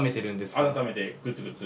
温めてグツグツ。